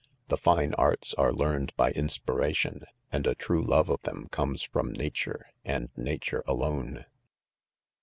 — The'fine arts are learned by inspiration, and a true love of them comes from, nature, and na° tore alone.